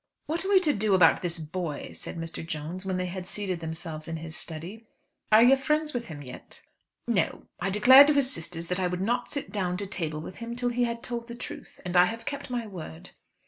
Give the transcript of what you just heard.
"What are we to do about this boy?" said Mr. Jones, when they had seated themselves in his study. "Are you friends with him yet?" "No; I declared to his sisters that I would not sit down to table with him till he had told the truth, and I have kept my word."